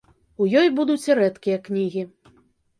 У ёй будуць і рэдкія кнігі.